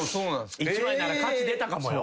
１枚なら価値出たかもよ。